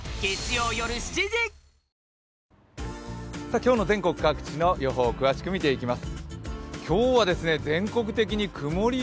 今日の全国各地の予報詳しく見ていきます。